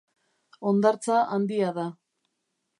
Hondartza handia da.